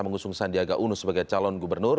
mengusung sandiaga uno sebagai calon gubernur